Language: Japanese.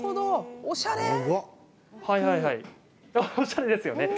おしゃれですよね。